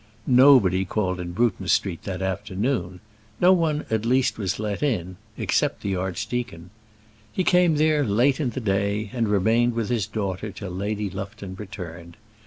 Nobody called in Bruton Street that afternoon no one, at least, was let in except the archdeacon. He came there late in the day, and remained with his daughter till Lady Lufton returned.